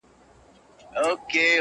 o نه وي عشق کي دوې هواوي او یو بامه,